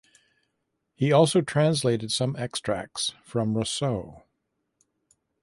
He also translated some extracts from Rosseau.